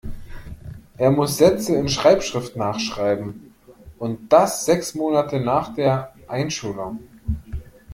Er muss Sätze in Schreibschrift nachschreiben. Und das sechs Monate nach der Einschulung.